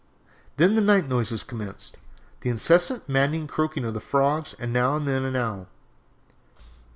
"Then the night noises commenced: the incessant, maddening croaking of the frogs and now and then an owl.